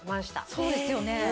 そうですよね。